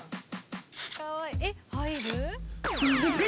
えっ入る？